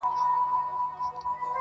خاورو او لمر- خټو یې وړي دي اصلي رنګونه-